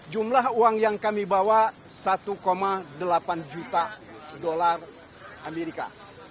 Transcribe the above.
jumlah uang yang kami bawa satu delapan juta dolar amerika